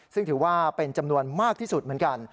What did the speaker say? ซึ่งถือว่าเป็นจำนวนมากที่สุดเหมือนกัน